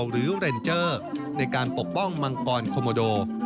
เรนเจอร์ในการปกป้องมังกรโคโมโด